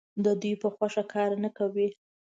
د دوی په خوښه کار نه کوي.